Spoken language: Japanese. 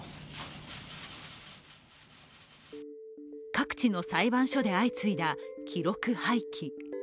各地の裁判所で相次いだ記録廃棄。